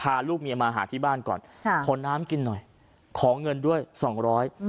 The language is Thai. พาลูกเมียมาหาที่บ้านก่อนค่ะขอน้ำกินหน่อยขอเงินด้วยสองร้อย